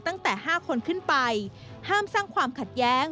ตั้งแต่๕คนขึ้นไปห้ามสร้างความขัดแย้ง